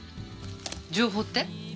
情報って？